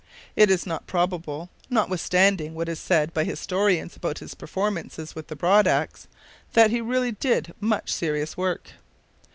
It is not probable, notwithstanding what is said by historians about his performances with the broad axe, that he really did much serious work.